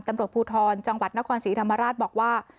ตำรวจภูทรจังหวัดนครศรีธรรมราชบอกว่า